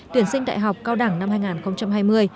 tuyển sinh đại học cao đẳng năm hai nghìn hai mươi